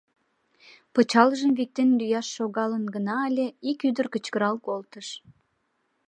Пычалжым виктен лӱяш шогалын гына ыле, ик ӱдыр кычкырал колтыш: